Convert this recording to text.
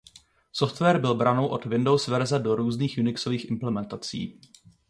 Software byl branou od Windows verze do různých unixových implementací.